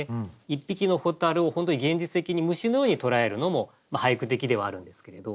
一匹の蛍を本当に現実的に虫のように捉えるのも俳句的ではあるんですけれど。